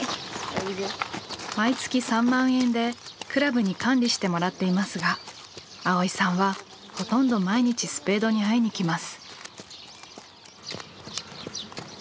毎月３万円で倶楽部に管理してもらっていますが蒼依さんはほとんど毎日スペードに会いにきます。